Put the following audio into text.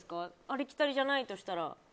ありきたりじゃないとしたら。